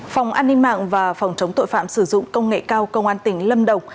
phòng an ninh mạng và phòng chống tội phạm sử dụng công nghệ cao công an tỉnh lâm đồng